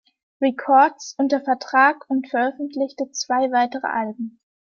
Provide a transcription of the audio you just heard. Records" unter Vertrag und veröffentlichte zwei weitere Alben.